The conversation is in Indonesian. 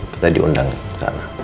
kita diundang ke sana